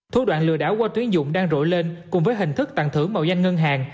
thủ đoạn lừa đảo qua tuyển dụng đang rỗi lên cùng với hình thức tặng thưởng mạo danh ngân hàng